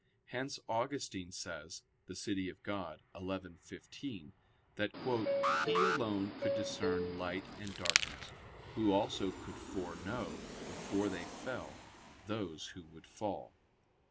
Hence Augustine says (De Civ. Dei xi, 15), that "He alone could discern light and darkness, Who also could foreknow, before they fell, those who would fall."